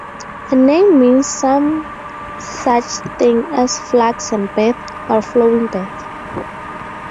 Her name means some such thing as "flux and birth" or "flowing birth.